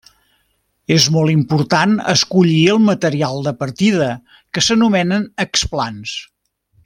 És molt important escollir el material de partida que s'anomenen explants.